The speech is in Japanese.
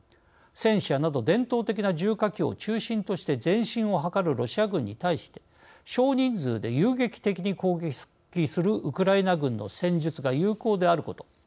戦車など伝統的な重火器を中心として前進を図るロシア軍に対して少人数で遊撃的に攻撃するウクライナ軍の戦術が有効であること。